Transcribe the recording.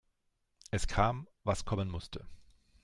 Es kam, was kommen musste.